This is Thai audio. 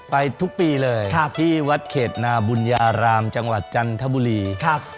ไปทุกปีเลยที่วัดเขตนาบุญญารามจังหวัดจันทบุรีครับ